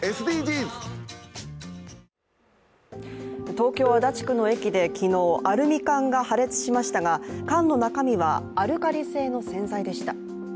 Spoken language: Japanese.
東京・足立区の駅で昨日アルミ缶が破裂しましたが缶の中身はアルカリ性の洗剤でした。